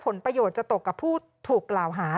ผลประโยชน์จะตกกับผู้ถูกกล่าวหา